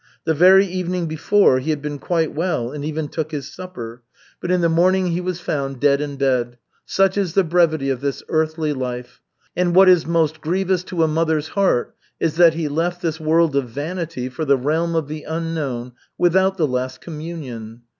The very evening before he had been quite well and even took his supper, but in the morning he was found dead in bed. Such is the brevity of this earthly life! And what is most grievous to a mother's heart is that he left this world of vanity for the realm of the unknown without the last communion.